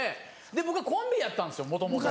僕コンビやったんですもともと。